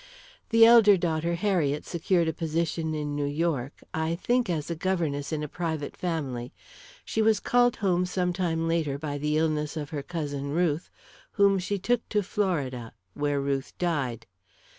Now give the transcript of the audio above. The elder daughter, Harriet, secured a position in New York I think as governess in a private family. She was called home, some time later, by the illness of her cousin Ruth, whom she took to Florida, where Ruth died.